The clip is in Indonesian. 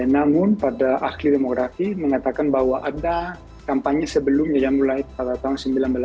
namun pada akhir demografi mengatakan bahwa ada kampanye sebelumnya yang mulai pada tahun seribu sembilan ratus delapan puluh